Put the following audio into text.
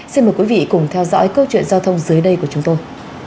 xin mời quý vị cùng theo dõi câu chuyện giao thông dưới đây của chúng tôi